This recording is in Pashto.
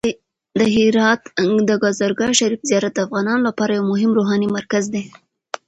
د هرات د کازرګاه شریف زیارت د افغانانو لپاره یو مهم روحاني مرکز دی.